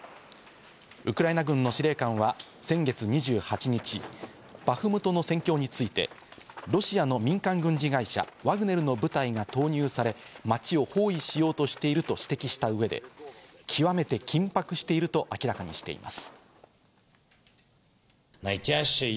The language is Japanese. ウクライナ軍の司令官は先月２８日、バフムトの戦況について、ロシアの民間軍事会社ワグネルの部隊が投入され、町を包囲しようとしていると指摘した上で、極めて緊迫していると明らかにしています。